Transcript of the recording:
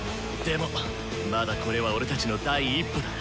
でもまだこれは俺たちの第一歩だ。